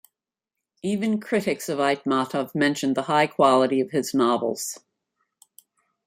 Even critics of Aitmatov mentioned the high quality of his novels.